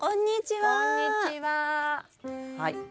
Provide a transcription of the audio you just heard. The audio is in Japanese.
はい。